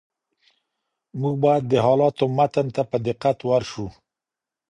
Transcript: موږ بايد د حالاتو متن ته په دقت ورشو.